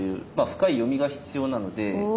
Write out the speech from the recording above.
深い読みが必要なので。